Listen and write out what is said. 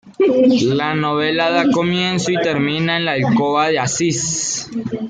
La novela da comienzo y termina en la alcoba de Asís.